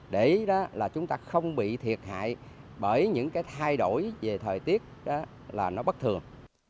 để chúng ta không bị thiệt hại bởi những thay đổi về thời tiết bất thường